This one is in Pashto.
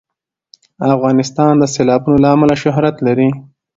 افغانستان د سیلابونه له امله شهرت لري.